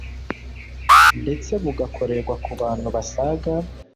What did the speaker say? ndetse bugakorerwa kubantu basaga